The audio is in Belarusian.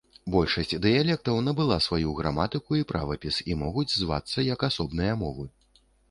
Большасць дыялектаў набыла сваю граматыку і правапіс і могуць звацца як асобныя мовы.